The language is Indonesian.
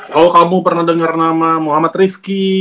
kalau kamu pernah dengar nama muhammad rifki